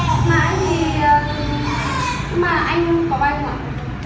mà anh thì